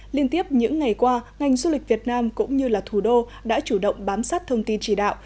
liên tiếp những ngày qua ngành du lịch việt nam cũng như thủ đô đã chủ động bám sát thông tin chỉ đạo